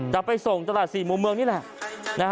แต่ไปส่งจตลาดสี่หมู่เมืองนี่แหละ